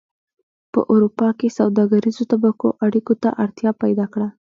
په اروپا کې سوداګریزو طبقو اړیکو ته اړتیا پیدا کړه